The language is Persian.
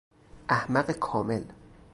احمق کامل